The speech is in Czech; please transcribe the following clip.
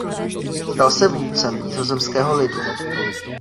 Stal se "vůdcem nizozemského lidu".